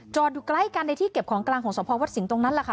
อยู่ใกล้กันในที่เก็บของกลางของสภวัดสิงห์ตรงนั้นแหละค่ะ